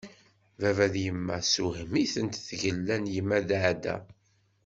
Baba d yemma tessewhem-iten tgella n yemma Daɛda.